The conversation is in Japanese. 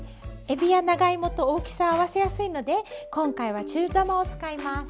えびや長芋と大きさを合わせやすいので今回は中玉を使います。